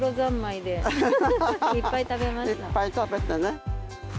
いっぱい食べてね。